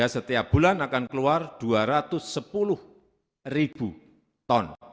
setiap bulan akan keluar dua ratus sepuluh ribu ton